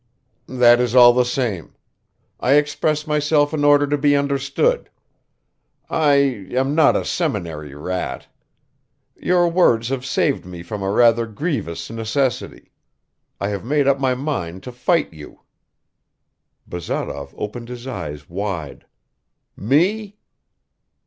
"That is all the same; I express myself in order to be understood; I ... am not a seminary rat. Your words have saved me from a rather grievous necessity. I have made up my mind to fight you." Bazarov opened his eyes wide. "Me?"